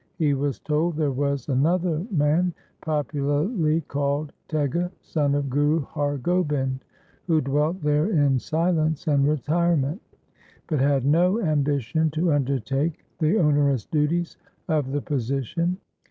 He was told there was another man popularly called Tega, son of Guru Har Gobind, who dwelt there in silence and retirement, but had no ambition to undertake the onerous duties of the position.